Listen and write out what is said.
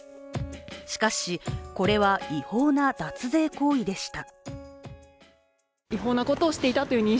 しかし、これは違法な脱税行為でした。